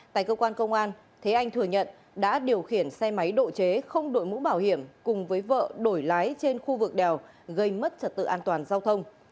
tại cơ quan công an thế anh thừa nhận đã điều khiển xe máy độ chế không đội mũ bảo hiểm cùng với vợ đổi lái trên khu vực đèo gây mất trật tự an toàn giao thông